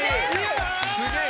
すげえ。